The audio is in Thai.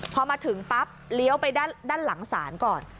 พอมาถึงปั๊บเลี้ยวไปด้านหลังศาลก่อน